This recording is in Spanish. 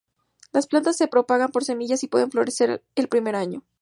Las plantas se propagan por semillas y pueden florecer el primer año.